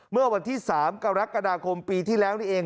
เมื่อวันที่๓กรกฎาคมปีที่๑๑๖๔